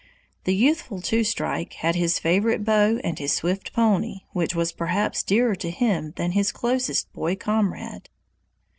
The youthful Two Strike had his favorite bow and his swift pony, which was perhaps dearer to him than his closest boy comrade.